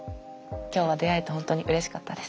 今日は出会えて本当にうれしかったです。